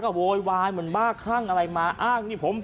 ก็แค่มีเรื่องเดียวให้มันพอแค่นี้เถอะ